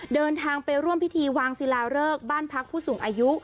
เดินทางไปร่วมพิธีวางศิลาเริกบ้านพักผู้สูงอายุ